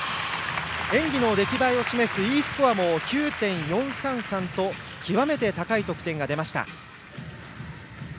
演技の出来栄えを示すＥスコアも９．４３３と極めて高い得点が出ました。